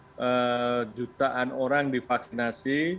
sudah jutaan orang divaksinasi